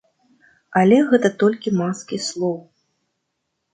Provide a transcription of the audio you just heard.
Але гэта толькі маскі слоў.